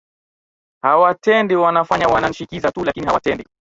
hawatendi wanafanya wananshikiza tu lakini hawatendi